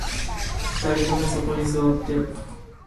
二人ともそこに座って